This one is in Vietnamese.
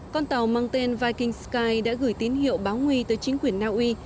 con tàu mang tên viking sky đã gửi tín hiệu báo nguy tới chính quyền naui